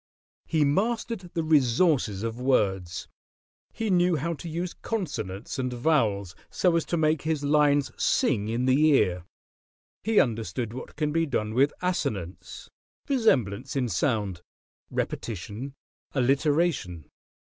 He mastered the resources of words; he knew how to use consonants and vowels so as to make his lines sing in the ear; he understood what can be done with assonance (resemblance in sound), repetition, alliteration.